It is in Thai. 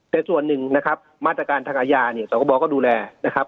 แต่ส่วนหนึ่งนะครับมาตรการทางอาญาเนี่ยสคบก็ดูแลนะครับ